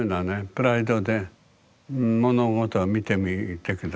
プライドで物事を見てみて下さいよ。